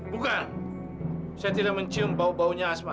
bukan saya tidak mencium bau baunya asma